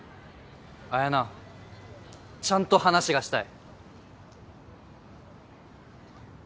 彩菜ちゃんと話がしたい！